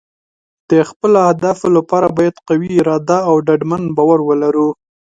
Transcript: د خپلو اهدافو لپاره باید قوي اراده او ډاډمن باور ولرو.